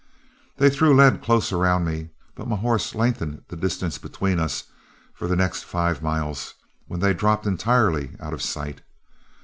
They threw lead close around me, but my horse lengthened the distance between us for the next five miles, when they dropped entirely out of sight.